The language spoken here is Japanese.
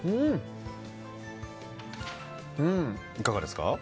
いかがですか？